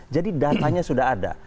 jadi datanya sudah ada